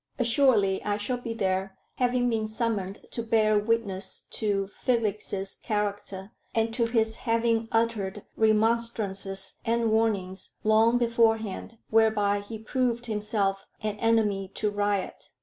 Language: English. "Assuredly I shall be there, having been summoned to bear witness to Felix's character, and to his having uttered remonstrances and warnings long beforehand whereby he proved himself an enemy to riot.